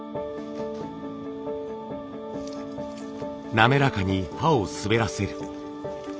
滑らかに刃を滑らせる。